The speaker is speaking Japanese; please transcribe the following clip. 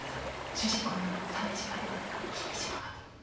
主人公の名前「鮫島」ではなく「君島」かと。